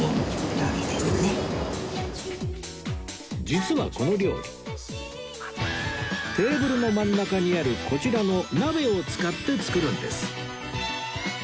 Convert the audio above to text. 実はこの料理テーブルの真ん中にあるこちらの鍋を使って作るんです